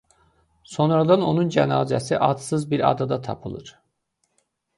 Sonradan onun cənazəsi adsız bir adada tapılır.